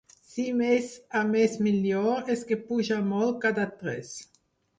Si, mes a mes millor, es que puja molt cada tres.